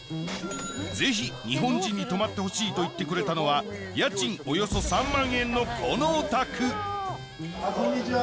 ぜひ日本人に泊まってほしいと言ってくれたのは家賃およそ３万円のこのお宅こんにちは。